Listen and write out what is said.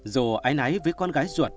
dù ái nái với con gái ruột